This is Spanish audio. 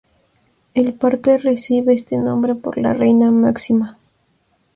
El parque recibe este nombre por la reina Máxima.